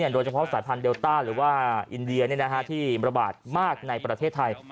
โดยเฉพาะสายพันธุเดลต้าหรือว่าอินเดียที่ระบาดมากในประเทศไทย